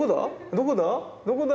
どこだ？